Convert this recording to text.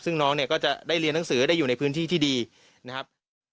ซึ่งน้องเนี่ยก็จะได้เรียนหนังสือได้อยู่ในพื้นที่ที่ดีนะครับ